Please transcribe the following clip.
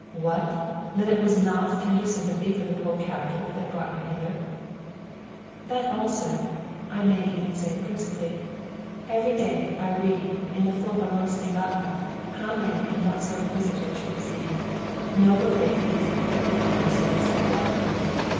"What! Then it was not tender sympathy for the poor captive that brought you hither?" "That also I may even say principally. Every day I read in the Fövárosi Lapok how many and what sort of visitors you receive noble ladies, pretty actresses, and what not.